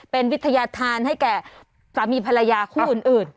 เป็นวิทยาธารให้แก่สามีภรรยาคู่อื่น